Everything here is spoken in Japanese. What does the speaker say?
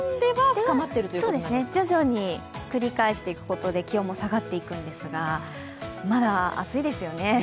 徐々に繰り返していくことで気温も下がっていくんですが、まだ暑いですよね。